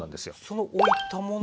そのおいたものが。